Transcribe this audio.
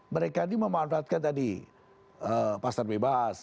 mereka ini memanfaatkan tadi pasar bebas